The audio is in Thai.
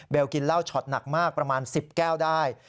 กินเหล้าช็อตหนักมากประมาณ๑๐แก้วได้